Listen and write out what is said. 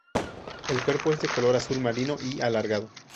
El cuerpo es de color azul marino y alargado.